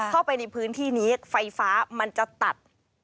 เข้าไปในพื้นที่นี้ไฟฟ้ามันจะตัด